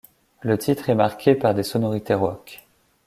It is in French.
Le titre est marqué par des sonorités rock.